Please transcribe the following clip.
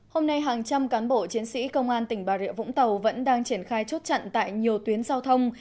hôm nay hàng trăm cán bộ chiến sĩ công an tỉnh bà rịa vũng tàu vẫn đang triển khai chốt chặn tại nhiều tuyến giao thông